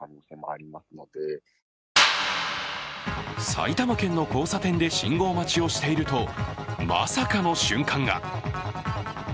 埼玉県の交差点で信号待ちをしていると、まさかの瞬間が！